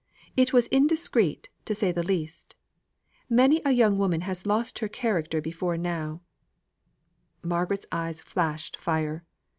It was indiscreet, to say the least; many a young woman has lost her character before now " Margaret's eyes flashed fire.